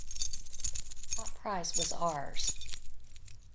Top prize was Rs.